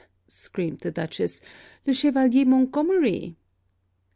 screamed the Dutchess, 'Le Chevalier Montgomery!'